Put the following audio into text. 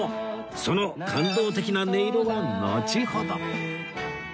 その感動的な音色はのちほど